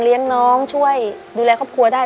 เลี้ยงน้องช่วยดูแลครอบครัวได้